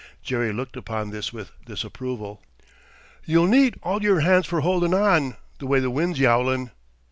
Jerry looked upon this with disapproval. "You'll need all your hands for holdin' on, the way the wind's yowlin'."